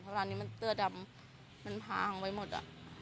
เพราะว่านี้มันเตือดำมันพางไว้หมด